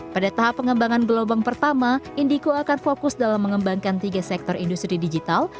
pada tahap pengembangan gelombang pertama indico akan fokus dalam mengembangkan tiga sektor industri digital